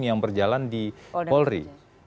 yang berjalan di polri